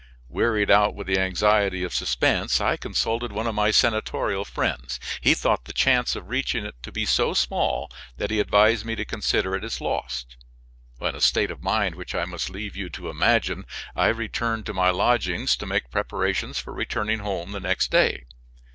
Wearied out with the anxiety of suspense, I consulted one of my senatorial friends. He thought the chance of reaching it to be so small that he advised me to consider it as lost. In a state of mind which I must leave you to imagine, I returned to my lodgings to make preparations for returning home the next day.